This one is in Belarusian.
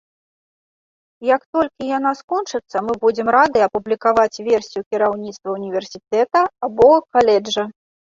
Як толькі яна скончыцца, мы будзем рады апублікаваць версію кіраўніцтва універсітэта або каледжа.